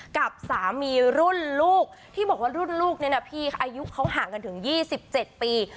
กับสามีรุ่นลูกที่บอกว่ารุ่นลูกนี้นะพี่อายุเขาห่างกันถึง๒๗ปี